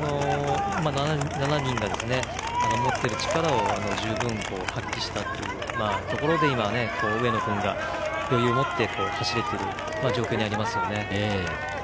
７人が持っている力を十分に発揮したというところで今、上野君が余裕を持って走れている状況にありますよね。